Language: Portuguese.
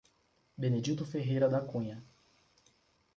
Benedito Ferreira da Cunha